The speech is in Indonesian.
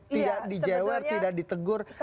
tidak dijewer tidak ditegur